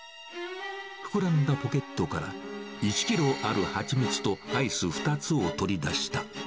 膨らんだポケットから、１キロある蜂蜜とアイス２つを取り出した。